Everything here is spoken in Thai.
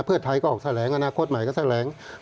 เพื่อไทยก็ออกแสดงอนาคตหมายก็แสดง